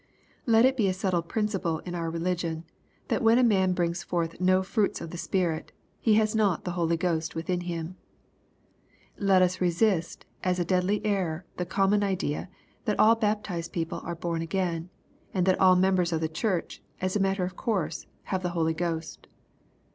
Let it be a settled principle in our religion that when a man brings forth no fruits of the Spirit, he has not the Holy Ghost within him. Let us resist as a deadly error the common idea, that all baptized people are bom again, and that all members of the Church, as a matter of course, have the Holy Ghost.